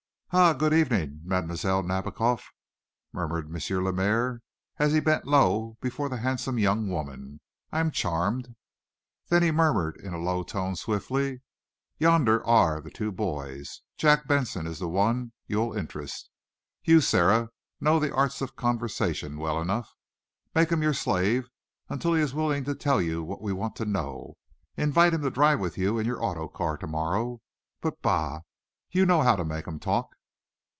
"Ah, good evening, Mademoiselle Nadiboff," murmured M. Lemaire, as he bent low before the handsome young woman. "I am charmed." Then he murmured, in a low tone, swiftly: "Yonder are, the two boys. Jack Benson is the one you will interest. You, Sara, know the arts of conversation well enough. Make him your slave, until he is willing to tell all that we want to know. Invite him to drive with you in your auto car to morrow. But, bah! You will know how to make him talk!"